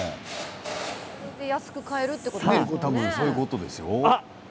安く買えるということですよね。